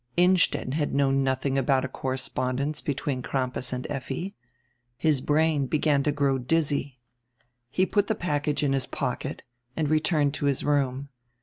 Innstetten had known nothing about a correspondence between Crampas and Effi. His brain began to grow dizzy. He put the package in his pocket and returned to his room.